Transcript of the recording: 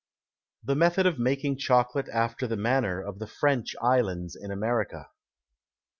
The Method of making Chocolate after the Manner of the French Islands in America.